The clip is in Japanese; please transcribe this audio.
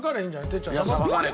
哲ちゃん。